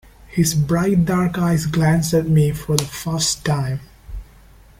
His bright dark eyes glanced at me for the first time.